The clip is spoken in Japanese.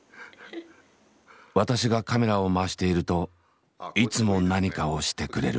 私がカメラを回しているといつも何かをしてくれる。